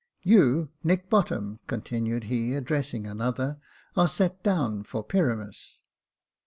" You, Nick Bottom," continued he, addressing another, " are set down for Pyramus."